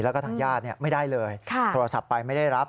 แล้วก็ทางญาติไม่ได้เลยโทรศัพท์ไปไม่ได้รับ